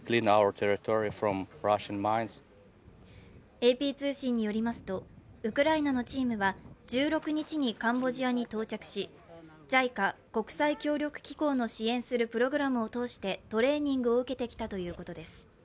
ＡＰ通信によりますとウクライナのチームは１６日にカンボジアに到着し、ＪＩＣＡ＝国際協力機構の支援するプログラムを通してトレーニングを受けてきたということです。